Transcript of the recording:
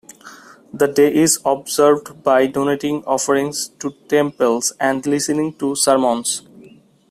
The day is observed by donating offerings to temples and listening to sermons.